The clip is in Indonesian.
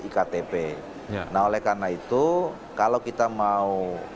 iktp nah oleh karena itu kalau kita mau